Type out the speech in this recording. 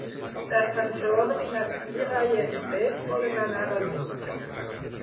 Per Sant Jordi na Cira i en Pep volen anar al metge.